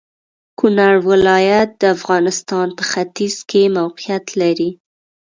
کونړ ولايت د افغانستان په ختيځ کې موقيعت لري.